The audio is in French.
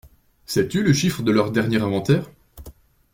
Sais-tu le chiffre de leur dernier inventaire ?